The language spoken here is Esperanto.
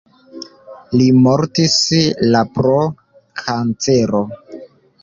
Li mortis la pro kancero.